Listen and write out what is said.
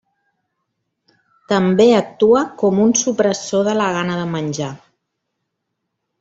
També actua com un supressor de la gana de menjar.